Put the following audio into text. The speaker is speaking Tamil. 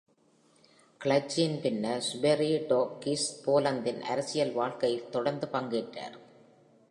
கிளர்ச்சியின் பின்னர், Zebrzydowski போலந்தின் அரசியல் வாழ்க்கையில் தொடர்ந்து பங்கேற்றார்.